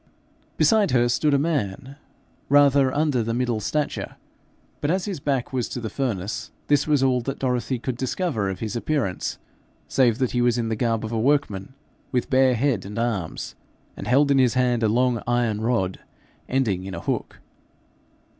Beside her stood a man rather under the middle stature, but as his back was to the furnace this was about all Dorothy could discover of his appearance, save that he was in the garb of a workman, with bare head and arms, and held in his hand a long iron rod ending in a hook.